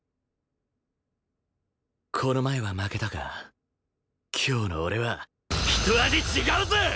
この前は負けたが今日の俺はひと味違うぜ！